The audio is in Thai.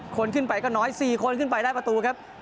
คนขึ้นไปก็น้อย๔คนขึ้นไปได้ประตูครับ